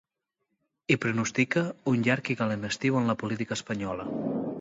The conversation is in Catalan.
I pronostica ‘un llarg i calent estiu en la política espanyola’.